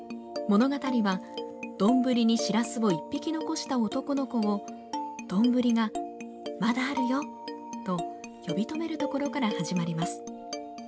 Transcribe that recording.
物語は、丼にしらすを１匹残した男の子を、丼がまだあるよと、呼び止めるところから始まります。